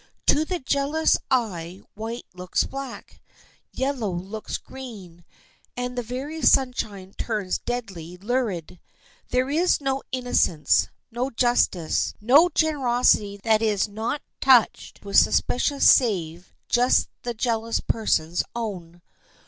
To the jealous eye white looks black, yellow looks green, and the very sunshine turns deadly lurid. There is no innocence, no justice, no generosity that is not touched with suspicions save just the jealous person's own.